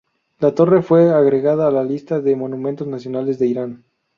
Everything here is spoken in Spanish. La torre fue agregada a la Lista de Monumentos Nacionales de Irán.